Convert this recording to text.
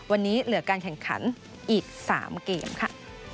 วันนี้เหลือการแข่งขันอีก๓เกมค่ะ